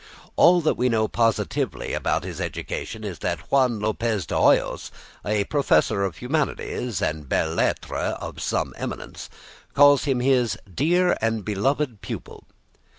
All that we know positively about his education is that Juan Lopez de Hoyos, a professor of humanities and belles lettres of some eminence, calls him his "dear and beloved pupil."